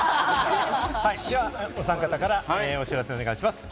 ではお三方からお知らせをお願いします。